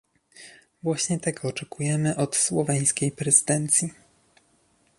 Właśnie tego oczekujemy od słoweńskiej prezydencji